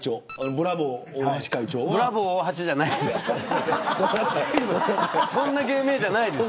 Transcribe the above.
ブラボー大橋じゃないです。